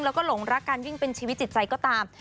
แล้วก็หลงรักการวิ่งเป็นชีวิตจิตใจก็ตาม